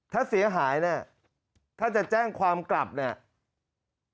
ถ้าเสียหายเนี่ยถ้าจะแจ้งความกลับเนี่ย